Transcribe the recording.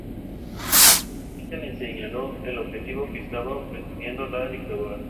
Este le señaló el objetivo que estaba pretendiendo la dictadura.